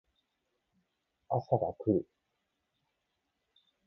朝が来る